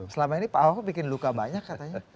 selama ini pak ahok membuat luka banyak